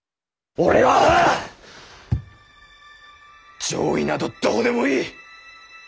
俺ははあ攘夷などどうでもいい。